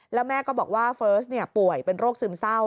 แล้วแม่ก็บอกว่าเฟิร์สป่วยเป็นโรคซึมเศร้า